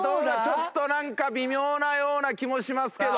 ちょっとなんか微妙なような気もしますけど。